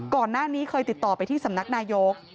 ก่อนหน้านี้เคยติดต่อไปที่สำนักนายก